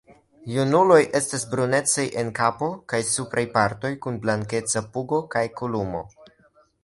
Junuloj estas brunecaj en kapo kaj supraj partoj, kun blankeca pugo kaj kolumo.